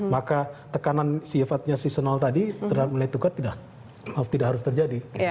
maka tekanan sifatnya seasonal tadi terhadap nilai tukar tidak harus terjadi